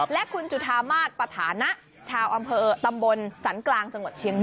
และคุณจุธามาศปฐานะชาวอำเภอตำบลสันกลางจังหวัดเชียงใหม่